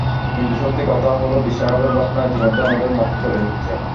কিন্তু সত্যি কথা হলো, বিশ্বকাপের ভাবনা ইতিমধ্যেই আমাদের মাথায় চলে এসেছে।